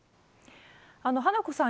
花子さん